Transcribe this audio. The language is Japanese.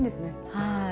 はい。